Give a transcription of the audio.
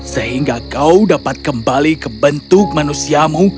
sehingga kau dapat kembali ke bentuk manusiamu